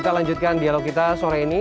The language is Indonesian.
kita lanjutkan dialog kita sore ini